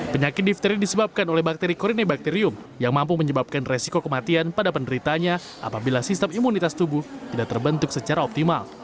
penyakit difteri disebabkan oleh bakteri korinebacterium yang mampu menyebabkan resiko kematian pada penderitanya apabila sistem imunitas tubuh tidak terbentuk secara optimal